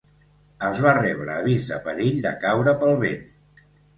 Es va rebre avís de perill de caure pel vent.